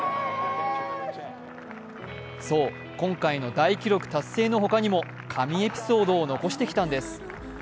そう、今回の大記録達成のほかにも神エピソードを残してきたんです。